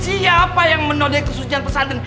siapa yang menode kesucian pesantren